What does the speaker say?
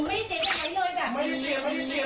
มันตายแล้วเหมือนรู้ไม่เจ็บยังไงเลย